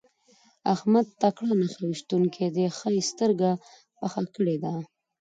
احمد تکړه نښه ويشتونکی دی؛ ښه يې سترګه پخه کړې ده.